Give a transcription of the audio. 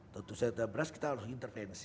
tentu saja sudah beras kita harus intervensi